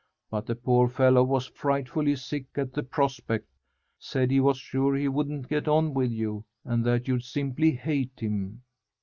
But the poor fellow was frightfully sick at the prospect, said he was sure he wouldn't get on with you, and that you'd simply hate him.